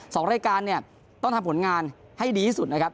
สองรายการเนี่ยต้องทำผลงานให้ดีที่สุดนะครับ